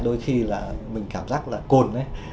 đôi khi mình cảm giác là cồn